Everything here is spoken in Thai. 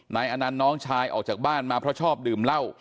อนันต์น้องชายออกจากบ้านมาเพราะชอบดื่มเหล้า